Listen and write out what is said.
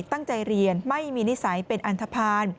ตั้งใจเรียนไม่มีนิสัยเป็นอันทภาณ